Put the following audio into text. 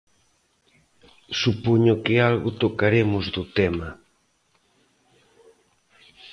Supoño que algo tocaremos do tema.